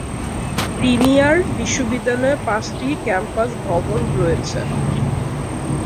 Premier বিশ্ববিদ্যালয়ের পাঁচটি campus ভবন রয়েছে।